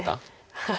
はい。